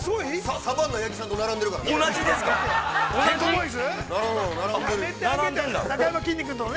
◆サバンナ八木さんと並んでるからね。